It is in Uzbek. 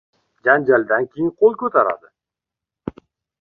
• Janjaldan keyin qo‘l ko‘taradi.